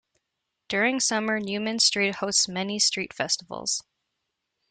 During summer, Newman Street hosts many street festivals.